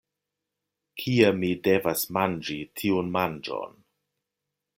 Kie mi devas manĝi tiun manĝon?